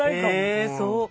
ええそう。